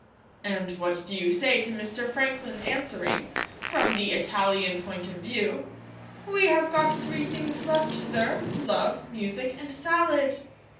And what do you say to Mr. Franklin answering, from the Italian point of view, "We have got three things left, sir Love, Music, and Salad"'?